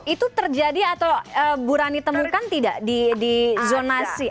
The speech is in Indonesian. itu terjadi atau burani temukan tidak di zonasi